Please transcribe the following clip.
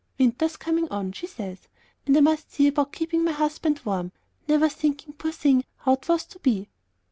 'Winter's coming on,' she says, 'and I must see about keeping my husband warm;' never thinking, poor thing, how 't was to be."